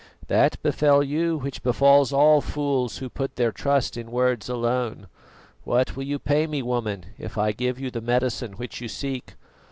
"That befell you which befalls all fools who put their trust in words alone. What will you pay me, woman, if I give you the medicine which you seek?"